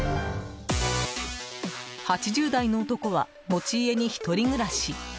８０代の男は持ち家に１人暮らし。